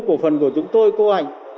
cổ phần của chúng tôi cô hạnh